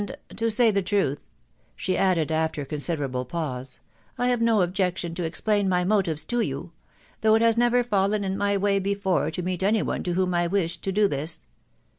to say truth," she added after a considerable pause, " I have no objection to explain my mo tive to you, .... though it has never fallen in my way before to meet any one to whom I wished to do this.